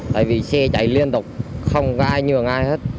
tại vì xe chạy liên tục không có ai nhường ai hết